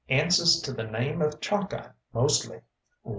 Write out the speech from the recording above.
"Answers to the name of Chalkeye mostly."